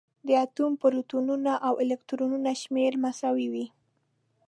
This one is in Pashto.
د اتوم پروتونونه او الکترونونه شمېر مساوي وي.